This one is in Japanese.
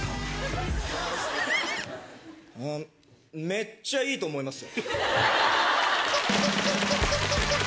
めっちゃいいと思いますよ。